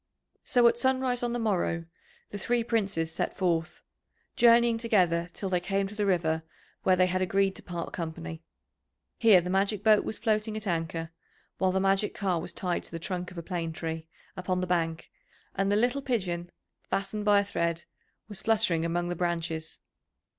So at sunrise on the morrow the three Princes set forth, journeying together till they came to the river where they had agreed to part company. Here the magic boat was floating at anchor, while the magic car was tied to the trunk of a plane tree upon the bank, and the little pigeon, fastened by a thread, was fluttering among the branches.